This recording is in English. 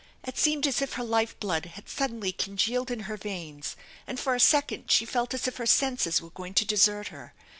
It seemed as if her life blood had suddenly congealed in her veins and for a second she felt as if her senses were going to desert her.